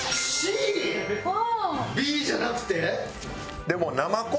Ｃ！？Ｂじゃなくて？